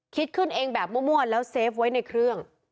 คิดขึ้นเองแบบมั่วแล้วเซฟไว้ในเครื่อง